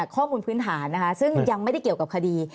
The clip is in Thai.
ข้อมูลพื้นฐานนะคะซึ่งยังไม่ได้เกี่ยวกับคดี